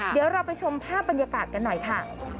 เดี๋ยวเราไปชมภาพบรรยากาศกันหน่อยค่ะ